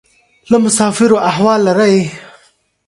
له مسافرو احوال لرې؟